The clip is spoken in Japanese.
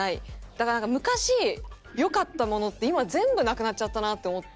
だからなんか昔良かったものって今全部なくなっちゃったなって思って。